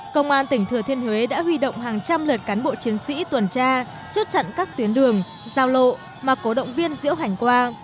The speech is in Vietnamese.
công an tỉnh thừa thiên huế đã huy động hàng trăm lượt cán bộ chiến sĩ tuần tra chốt chặn các tuyến đường giao lộ mà cổ động viên diễu hành qua